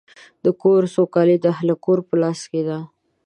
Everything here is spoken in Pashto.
د کور سوکالي د اهلِ کور په لاس کې ده.